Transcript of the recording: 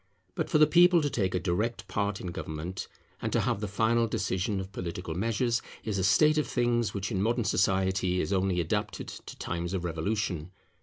But for the people to take a direct part in government, and to have the final decision of political measures, is a state of things which in modern society is only adapted to times of revolution.